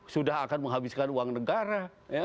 sudah akan menghabiskan uang negara